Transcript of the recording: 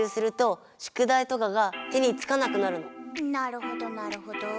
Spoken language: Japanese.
あのねなるほどなるほど。